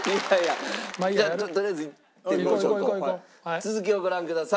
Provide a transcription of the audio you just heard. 続きをご覧ください。